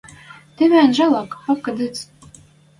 Теве анжалок, папка циц.